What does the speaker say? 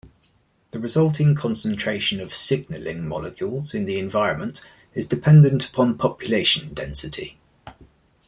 The resulting concentration of signaling molecules in the environment is dependent upon population density.